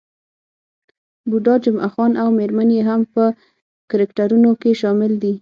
بوډا جمعه خان او میرمن يې هم په کرکټرونو کې شامل دي.